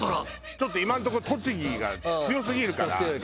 ちょっと今んとこ栃木が強すぎるから。